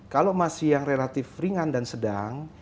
kalau masih yang relatif ringan dan sedang